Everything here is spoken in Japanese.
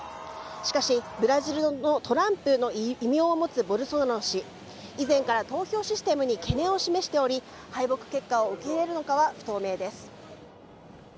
しかし、ブラジルのトランプの異名を持つボルソナロ氏、以前から投票システムに懸念を示しており、敗北結果を受け入れるのかは不透明です。